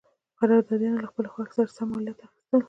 قراردادیانو له خپلې خوښې سره سم مالیات اخیستل.